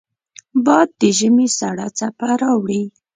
باد د ژمې سړه څپه راوړي